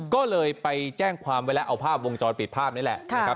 ก็เลยไปแจ้งปีไว้แล้วเอาภาพวงจรปิดภาพนี่แหละ